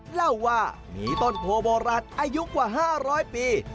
เล่าว่ามีต้นโพโบราณอายุกว่า๕๐๐ปี